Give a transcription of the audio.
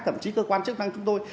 thậm chí cơ quan chức năng chúng tôi